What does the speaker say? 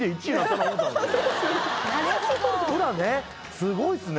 すごいっすね。